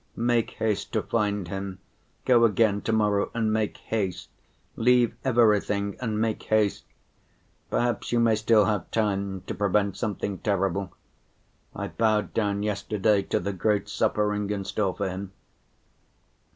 "Make haste to find him, go again to‐morrow and make haste, leave everything and make haste. Perhaps you may still have time to prevent something terrible. I bowed down yesterday to the great suffering in store for him."